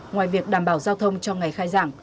ngoài việc đảm bảo giao thông cho ngày khai giảng